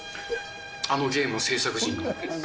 あのゲームの制作陣に。